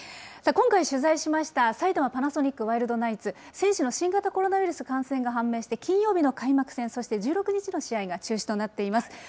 今回、取材しました埼玉パナソニックワイルドナイツ、選手の新型コロナウイルス感染が確認され、金曜日の開幕戦、そして１６日の試合が中止となっています。